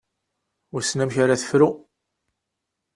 Wissen amek ara tefru.